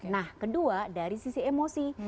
nah kedua dari sisi emosi